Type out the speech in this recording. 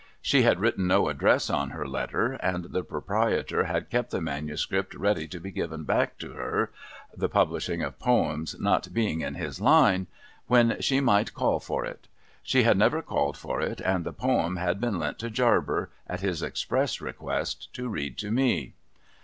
She had written no address on her letter ; and the l)roprietor had kept the manuscript ready to be given back to her (the publishing of poems not being in his line) when she might call for it. She had never called for it ; and the poem had been lent to Jarber, at his express request, to read to me.